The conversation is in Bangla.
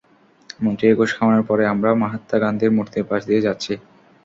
মন্ত্রীকে ঘুষ খাওয়ানোর পরে আমরা, মহাত্মা গান্ধীর মুর্তির পাশ দিয়ে যাচ্ছি।